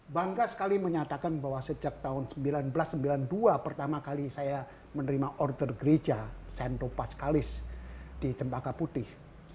bangga sekali menyatakan bahwa sejak tahun seribu sembilan ratus sembilan puluh dua pertama kali saya menerima order gereja sento pascalis di cempaka putih